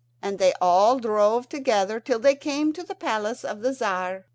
And they all drove together till they came to the palace of the Tzar.